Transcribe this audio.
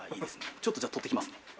ちょっとじゃあ取ってきますね。